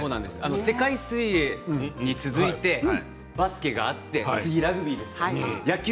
世界水泳に続いてバスケがあって次ラグビーですから。